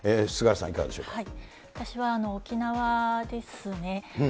私は沖縄ですね。